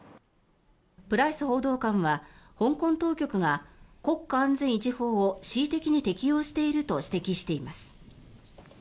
プライス報道官は香港当局が国家安全維持法を恣意的に適用していると指摘しています。